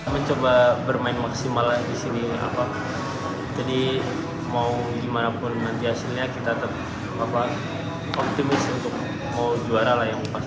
mencoba bermain maksimal di sini jadi mau gimana pun nanti hasilnya kita tetap optimis untuk mau juara lah yang pasti